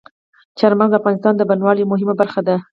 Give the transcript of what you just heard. چار مغز د افغانستان د بڼوالۍ یوه مهمه برخه ده.